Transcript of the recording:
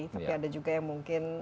tapi ada juga yang mungkin